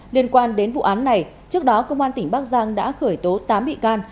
liên quan đến vụ án này trước đó công an tỉnh bắc giang đã khởi tố tám bị can